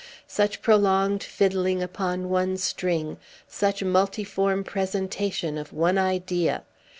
Such prolonged fiddling upon one string such multiform presentation of one idea!